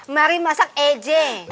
mari masak ej